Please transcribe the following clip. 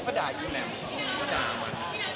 สุดท้ายเท่าไหร่สุดท้ายเท่าไหร่